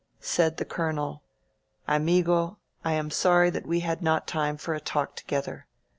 Said the Colonel: Anugo, I am sorry that we had not time for a talk together.